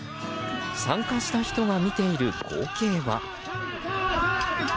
参加した人が見ている光景は。